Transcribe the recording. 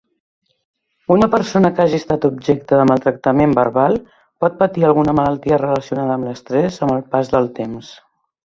Una persona que hagi estat objecte de maltractament verbal pot patir alguna malaltia relacionada amb l'estrès amb el pas del temps.